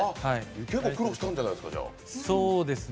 結構苦労したんじゃないですか？